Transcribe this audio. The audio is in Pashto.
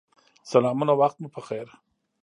سلامونه وخت مو پخیر